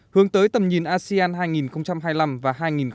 hướng tới tầm nhìn asean hai nghìn hai mươi năm và hai nghìn ba mươi